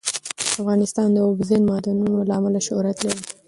افغانستان د اوبزین معدنونه له امله شهرت لري.